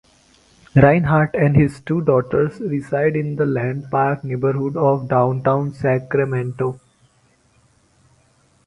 Rinehart and his two daughters reside in the Land Park neighborhood of Downtown Sacramento.